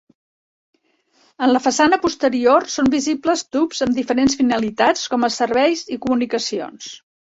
En la façana posterior són visibles tubs amb diferents finalitats, com a serveis i comunicacions.